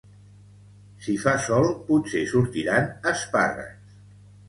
Si fa sol potser sortiran espàrrecs